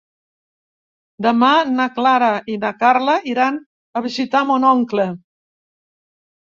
Demà na Clara i na Carla iran a visitar mon oncle.